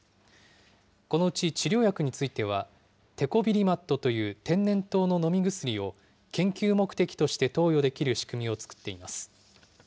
このうち治療薬については、テコビリマットという天然痘の飲み薬を研究目的として投与できる仕組みを作っています。